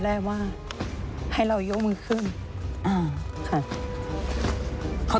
สวัสดีครับ